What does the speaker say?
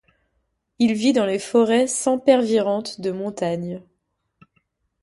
Il vit dans les forêts sempervirentes de montagne.